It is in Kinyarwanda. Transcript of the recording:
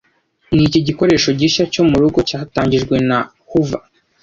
Niki gikoresho gishya cyo murugo cyatangijwe na Hoover